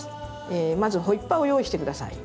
まずホイッパーを用意して下さい。